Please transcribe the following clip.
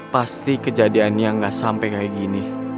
pasti kejadiannya nggak sampai kayak gini